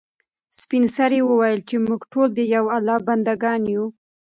سپین سرې وویل چې موږ ټول د یو الله بنده ګان یو.